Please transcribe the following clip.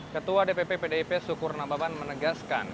ketua dpp pdip sukurnambaban menegaskan